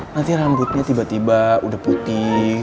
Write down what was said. nanti rambutnya tiba tiba udah putih